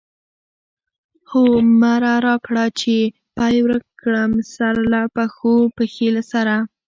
هو مره را کړه چی پی ورک کړم، سرله پښو، پښی له سره